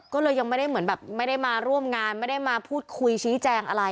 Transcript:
ก็เลยยังไม่ได้มาร่วมงานไม่ได้มาพูดคุยชี้แจงอะไร